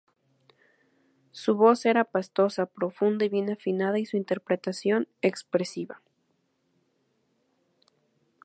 Su voz era pastosa, profunda y bien afinada y su interpretación, expresiva.